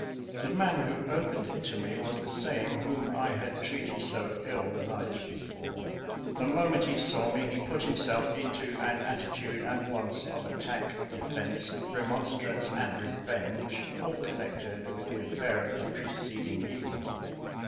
The man who opened it to me was the same whom I had treated so ill the night before; the moment he saw me, he put himself into an attitude at once of attack, defence, remonstrance, and revenge, all connected with the affair of the preceding evening.